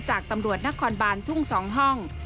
จากตำรวจนครบานทุ่ง๒ห้อง